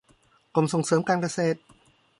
กรมส่งเสริมการเกษตร